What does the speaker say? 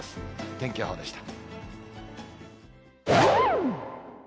天気予報でした。